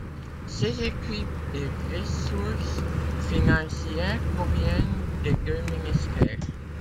Ses équipes et ressources financières proviennent des deux ministères.